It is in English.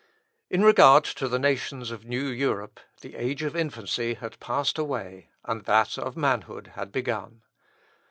In regard to the nations of new Europe, the age of infancy had passed away, and that of manhood had begun.